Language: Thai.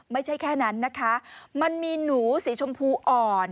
ไม่ใช่แค่นั้นนะคะมันมีหนูสีชมพูอ่อน